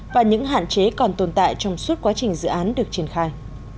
và những hạn chế còn tồn tại trong suốt quá trình dự án được triển khai